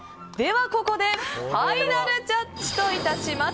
ここでファイナルジャッジです。